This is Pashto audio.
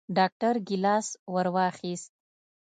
ډاکتر ګېلاس ورواخيست.